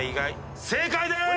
正解でーす！